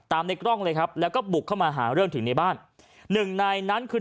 ในกล้องเลยครับแล้วก็บุกเข้ามาหาเรื่องถึงในบ้านหนึ่งในนั้นคือ